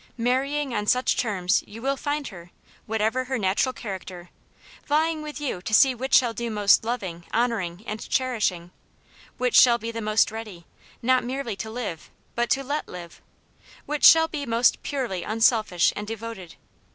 Marry ing on such terms, you will find her, whatever her natural character, vying with you to see which shall do most loving, honouring, and cherishing ; which shall be most ready, not merely to live, but to let live; which shall be most purely unselfish and devoted.